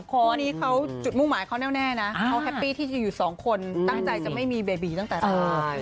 คู่นี้เขาจุดมุ่งหมายเขาแน่นะเขาแฮปปี้ที่จะอยู่สองคนตั้งใจจะไม่มีเบบีตั้งแต่แรก